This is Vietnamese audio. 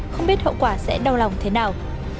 không biết hậu quả sẽ đau lòng thế nào